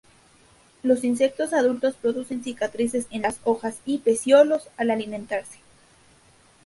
Los insectos adultos producen cicatrices en las hojas y pecíolos al alimentarse.